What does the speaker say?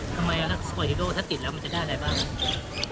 ทำไมสปอร์ตฮีโรค่ะถ้าติดแล้วมันจะได้อะไรบ้าง